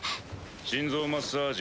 心臓マッサージ。